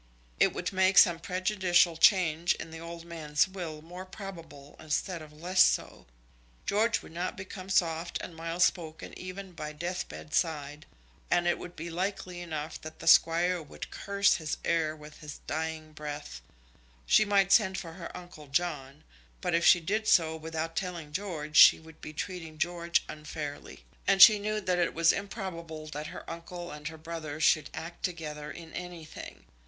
It would make some prejudicial change in the old man's will more probable instead of less so. George would not become soft and mild spoken even by a death bed side, and it would be likely enough that the Squire would curse his heir with his dying breath. She might send for her uncle John; but if she did so without telling George she would be treating George unfairly; and she knew that it was improbable that her uncle and her brother should act together in anything.